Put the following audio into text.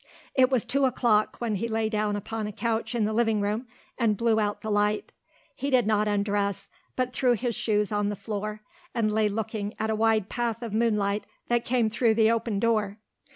It was two o'clock when he lay down upon a couch in the living room and blew out the light. He did not undress, but threw his shoes on the floor and lay looking at a wide path of moonlight that came through the open door.